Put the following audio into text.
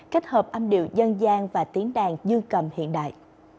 kết hợp âm điệu dân gian và tiếng đàn như cầm hiện đại